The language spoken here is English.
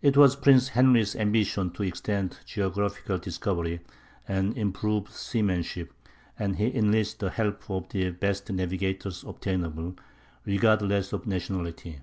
It was Prince Henry's ambition to extend geographical discovery and improve seamanship, and he enlisted the help of the best navigators obtainable, regardless of nationality.